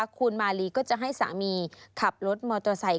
คุณมาลีก็จะให้สามีขับรถมอเตอร์ไซค์